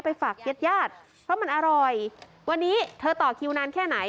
ไปฝากเย็ดเพราะมันอร่อยวันนี้เธอต่อคิวนานแค่ไหน